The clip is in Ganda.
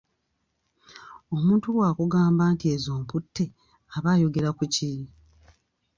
Omuntu bw’akugamba nti ezo mputte aba ayogera ku ki?